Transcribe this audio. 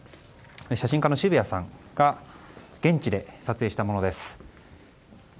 写真家の渋谷さんが現地で撮影したものです。